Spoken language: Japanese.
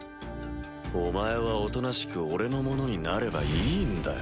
お前はおとなしく俺のものになればいいんだよ。